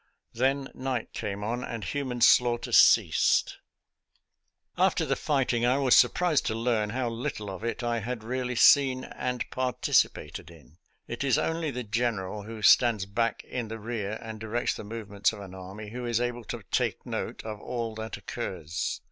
Then night came on and human slaughter ceased. ««» After the fighting I was surprised to learn how little of it I had really seen and partici pated in. It is only the General, who stands back in the rear and directs the movements of an army, who is able to take note of all that occurs.